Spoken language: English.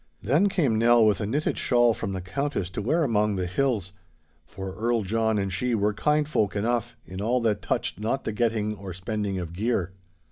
Then came Nell with a knitted shawl from the Countess to wear among the hills, for Earl John and she were kind folk enough in all that touched not the getting or spending of gear.